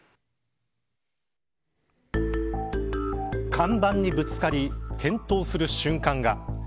看板にぶつかり転倒する瞬間が。